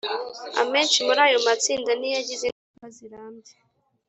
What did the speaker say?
amenshi muri ayo matsinda ntiyagize ingaruka zirambye.